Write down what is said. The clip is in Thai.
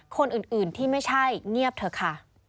คนอื่นที่ไม่ใช่เงียบเถอะค่ะ